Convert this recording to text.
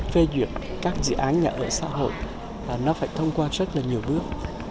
phê duyệt các dự án nhà ở xã hội nó phải thông qua rất là nhiều bước